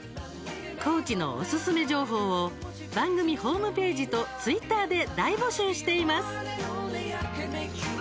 高知のおすすめ情報を番組ホームページとツイッターで大募集しています。